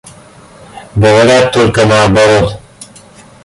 Говорят только наоборот.